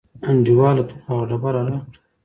انډیواله ته خو هغه ډبره راکړه.